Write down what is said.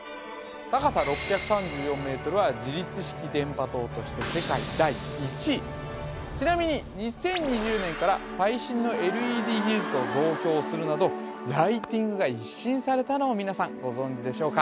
高さ６３４ｍは自立式電波塔として世界第１位ちなみに２０２０年から最新のＬＥＤ技術を増強するなどライティングが一新されたのを皆さんご存じでしょうか？